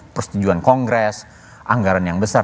persetujuan kongres anggaran yang besar